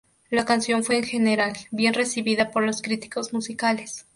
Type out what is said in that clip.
La canción fue en general bien recibida por los críticos musicales.